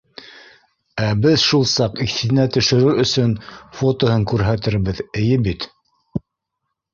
Ә беҙ шул саҡ иҫенә төшөрөр өсөн фотоһын күрһәтербеҙ, эйе бит!